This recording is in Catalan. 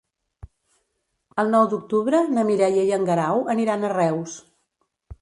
El nou d'octubre na Mireia i en Guerau aniran a Reus.